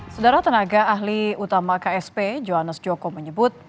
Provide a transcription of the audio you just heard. sedara tenaga ahli utama ksp johannes joko menyebut